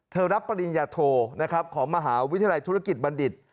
เธอรับปริญญาโทของมหาวิทยาลัยธุรกิจบัณฑิต